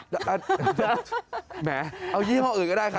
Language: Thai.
แหมเอายี่ห้ออื่นก็ได้ครับ